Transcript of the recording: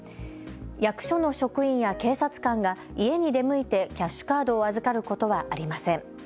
役所の職員や警察官が家に出向いてキャッシュカードを預かることはありません。